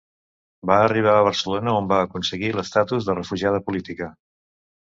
Va arribar a Barcelona, on va aconseguir l'estatus de refugiada política.